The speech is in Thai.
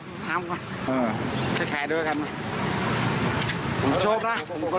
บ่แทดูด้วยครับ